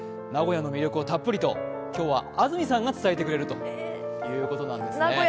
名古屋の魅力をたっぷりと今日は安住さんが伝えてくれるということなんですね。